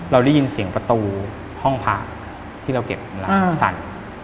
เราได้ยินเสียงประตูห้องผ่าที่เราเก็บร้านสั่น